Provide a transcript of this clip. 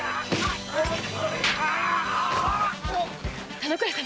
田之倉様！